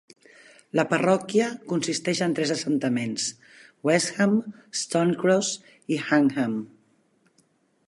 La parròquia consisteix en tres assentaments: Westham; Stone Cross; i Hankham.